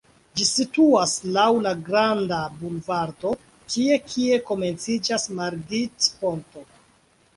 Ĝi situas laŭ la "Granda Bulvardo" tie, kie komenciĝas Margit-ponto.